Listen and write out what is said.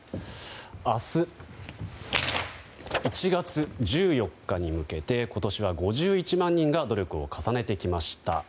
明日、１月１４日に向けて今年は５１万人が努力を重ねてきました。